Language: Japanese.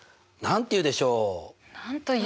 何て言うでしょう？